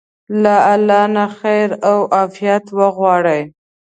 له الله نه خير او عافيت وغواړئ.